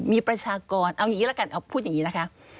มีประชากรเอาอย่างนี้ละกันเอาพูดอย่างนี้นะคะ